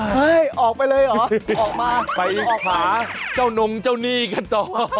ออกไปเลยเหรอออกมาไปนอกหาเจ้านงเจ้าหนี้กันต่อ